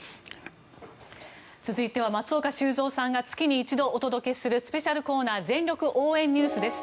続いては、松岡修造さんが月に一度お届けするスペシャルコーナー全力応援ＮＥＷＳです。